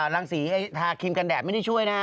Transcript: รังสีทาครีมกันแดดไม่ได้ช่วยนะ